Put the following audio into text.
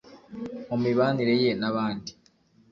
mu mibanire ye n'abandi